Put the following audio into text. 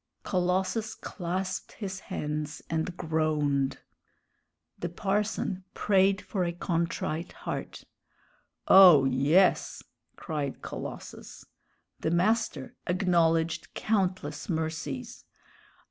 Colossus clasped his hands and groaned. The parson prayed for a contrite heart. "Oh, yes!" cried Colossus. The master acknowledged countless mercies.